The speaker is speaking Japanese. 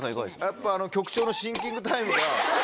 やっぱ局長のシンキングタイム。